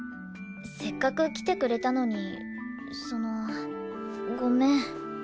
せっかく来てくれたのにそのごめん。